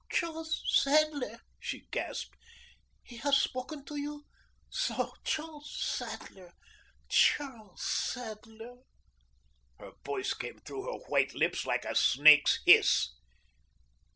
"Charles Sadler!" she gasped. "He has spoken to you? So, Charles Sadler, Charles Sadler!" Her voice came through her white lips like a snake's hiss.